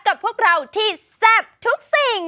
กับพวกเราที่แซ่บทุกสิ่ง